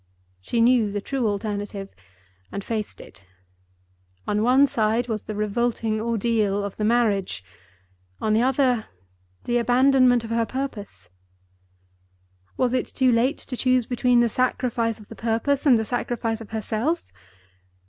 She knew the true alternative, and faced it. On one side was the revolting ordeal of the marriage; on the other, the abandonment of her purpose. Was it too late to choose between the sacrifice of the purpose and the sacrifice of herself?